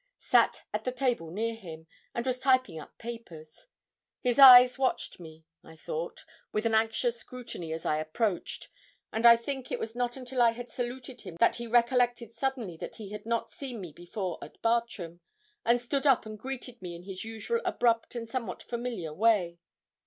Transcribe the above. sat at the table near him, and was tying up papers. His eyes watched me, I thought, with an anxious scrutiny as I approached; and I think it was not until I had saluted him that he recollected suddenly that he had not seen me before at Bartram, and stood up and greeted me in his usual abrupt and somewhat familiar way.